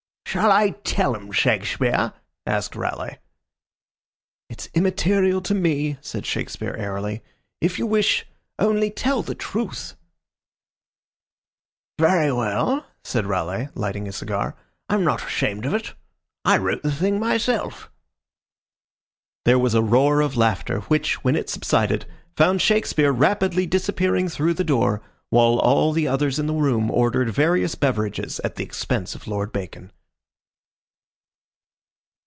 "Shall I tell 'em, Shakespeare?" asked Raleigh. "It's immaterial to me," said Shakespeare, airily. "If you wish only tell the truth." "Very well," said Raleigh, lighting a cigar. "I'm not ashamed of it. I wrote the thing myself." There was a roar of laughter which, when it subsided, found Shakespeare rapidly disappearing through the door, while all the others in the room ordered various beverages at the expense of Lord Bacon.